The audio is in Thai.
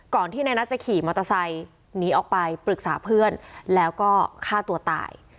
ที่นายนัทจะขี่มอเตอร์ไซค์หนีออกไปปรึกษาเพื่อนแล้วก็ฆ่าตัวตาย